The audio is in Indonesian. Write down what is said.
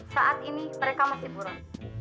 saat ini mereka masih buron